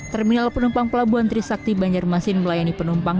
terminal penumpang pelabuhan trisakti banjarmasin melayani penumpang